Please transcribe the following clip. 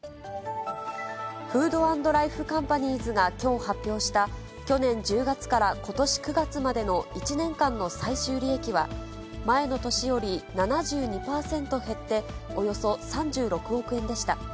フード＆ライフカンパニーズがきょう発表した、去年１０月からことし９月までの１年間の最終利益は、前の年より７２％減っておよそ３６億円でした。